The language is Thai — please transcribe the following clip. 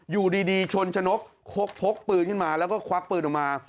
อยู่ดีชนชนกพกปืนขึ้นมาแล้วก็ควักปืนออกมา